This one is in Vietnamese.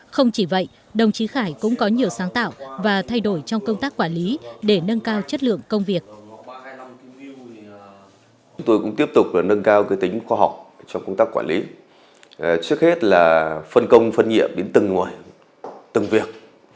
không chỉ vậy đồng chí khải cũng có nhiều sáng tạo và thay đổi trong công tác quản lý để nâng cao chất lượng công việc